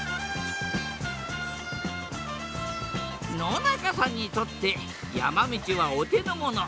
野中さんにとって山道はお手のもの。